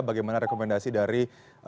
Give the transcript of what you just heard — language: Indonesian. bagaimana rekomendasi dari